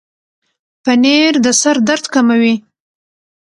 پنېر د سر درد کموي.